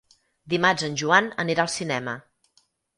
Dimarts en Joan anirà al cinema.